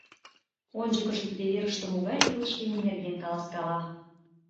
Ончыкыжо тиде верыште могай илыш лийме нерген каласкала.